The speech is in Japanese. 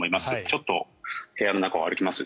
ちょっと部屋の中を歩きます。